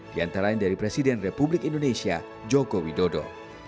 diantara dari presiden republik indonesia joko widodo